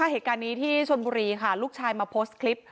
เหตุการณ์นี้ที่ชนบุรีค่ะลูกชายมาโพสต์คลิป